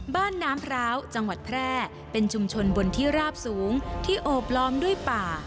น้ำพร้าวจังหวัดแพร่เป็นชุมชนบนที่ราบสูงที่โอบล้อมด้วยป่า